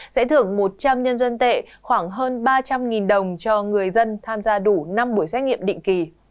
sẽ thưởng một trăm linh nhân dân tệ khoảng hơn ba trăm linh đồng cho người dân tham gia đủ năm buổi xét nghiệm định kỳ